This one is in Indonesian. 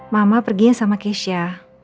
mama perginya sama keisha